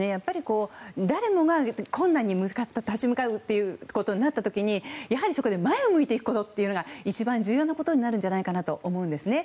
誰もが困難に立ち向かうとなった時にやはり、そこで前を向いていくことが一番重要なことになるんじゃないかなと思うんですね。